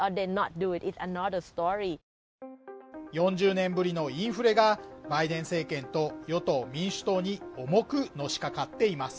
４０年ぶりのインフレがバイデン政権と与党民主党に重くのしかかっています